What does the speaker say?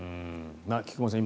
菊間さん